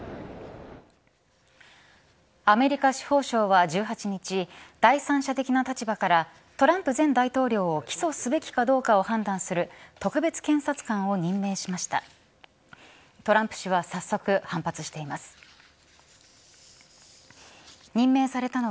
アメリカ司法省は１８日第三者的な立場からトランプ前大統領を起訴すべきかどうかを判断する特別検察官を任命しました。